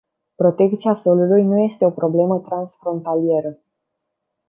Protecția solului nu este o problemă transfrontalieră.